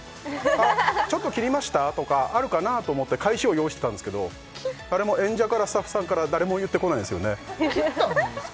「あっちょっと切りました？」とかあるかなと思って返しを用意してたんですけど誰も演者からスタッフさんから誰も言ってこないんですよね切ったんですか？